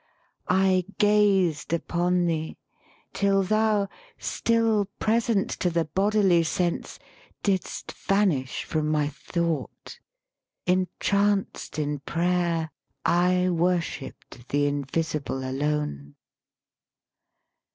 I gazed upon thee, Till thou, still present to the bodily sense, Didst vanish from my thought : entranced in prayer 1 worshipped the Invisible alone.